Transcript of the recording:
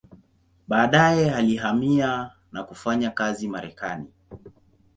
Baadaye alihamia na kufanya kazi Marekani.